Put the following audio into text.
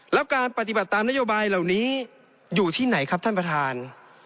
แล้วการปฏิบัติตามนโยบายเหล่านี้อยู่ที่ไหนครับท่านประธาน